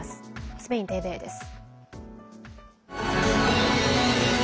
スペインＴＶＥです。